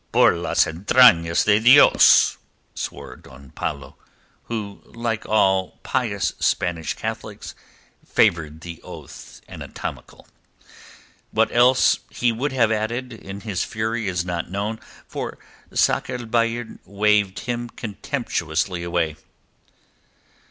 "Por las Entranas de Dios!" swore Don Paulo who, like all pious Spanish Catholics, favoured the oath anatomical. What else he would have added in his fury is not known, for Sakr el Bahr waved him contemptuously away.